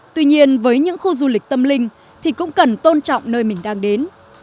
tuy nhiên với những khu du lịch tâm linh thì cũng cần tôn trọng nơi mình đang đến